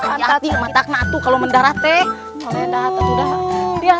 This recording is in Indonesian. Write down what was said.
aduh anjati mataknya itu kalau menang kiaman